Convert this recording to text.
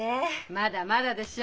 まだまだでしょ。